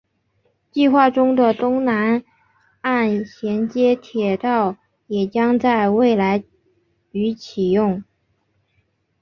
计划中的东海岸衔接铁道也将在未来于启用。